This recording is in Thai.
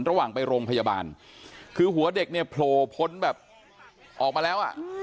ระหว่างไปโรงพยาบาลคือหัวเด็กเนี่ยโผล่พ้นแบบออกมาแล้วอ่ะ